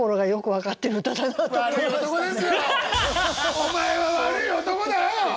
お前は悪い男だよ！